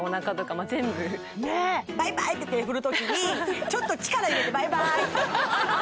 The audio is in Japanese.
バイバイって手振るときにちょっと力入れて「バイバーイ」ってやる